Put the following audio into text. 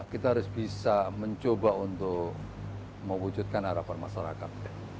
kita harus bisa mencoba untuk mewujudkan harapan masyarakat